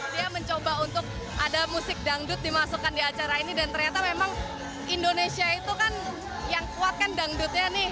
dia mencoba untuk ada musik dangdut dimasukkan di acara ini dan ternyata memang indonesia itu kan yang kuat kan dangdutnya nih